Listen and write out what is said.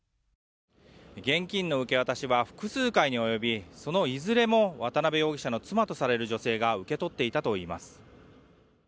現金の受け渡しは複数回に及びそのいずれも渡邉容疑者の妻とされる女性が受け取っていたといいます。